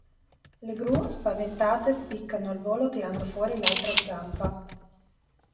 Le gru, spaventate, spiccano il volo tirando fuori l'altra zampa.